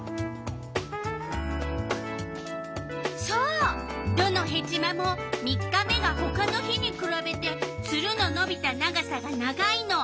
そうどのヘチマも３日目がほかの日にくらべてツルののびた長さが長いの。